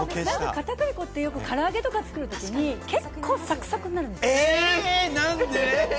片栗粉って空揚げとか揚げるときに結構サクサクになるんですよ。